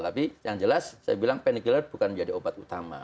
tapi yang jelas saya bilang panitiller bukan menjadi obat utama